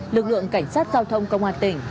lực lượng cảnh sát giao thông công an tỉnh